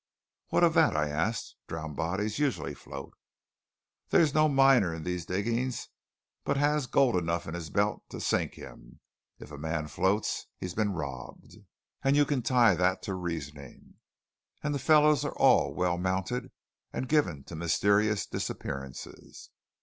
"What of that?" I asked; "drowned bodies usually float." "There's no miner in these diggings but has gold enough in his belt to sink him. If a man floats, he's been robbed, and you can tie to that reasoning. And the fellows are all well mounted, and given to mysterious disappearances."